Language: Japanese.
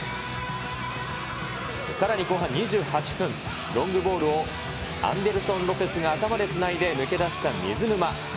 さらに後半２８分、ロングボールをアンデルソン・ロペスが頭でつないで抜け出してつないだ水沼。